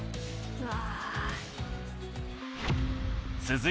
うわ！